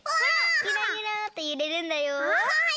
ゆらゆらってゆれるんだよ。